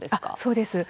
そうです。